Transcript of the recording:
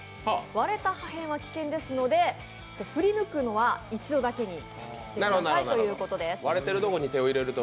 割れた破片は危険ですので振り向くのは一度だけにしてくださいということです。